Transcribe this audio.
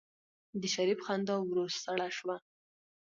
د شريف خندا ورو سړه شوه.